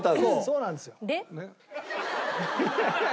そうなんですよ。